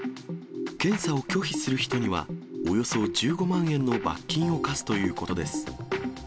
検査を拒否する人にはおよそ１５万円の罰金を科すということです。